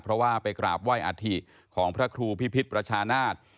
เพราะว่าไปกราบไห้องอาธิของพระครูพิพิษประชานาศ